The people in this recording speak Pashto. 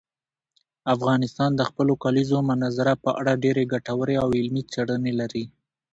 افغانستان د خپلو کلیزو منظره په اړه ډېرې ګټورې او علمي څېړنې لري.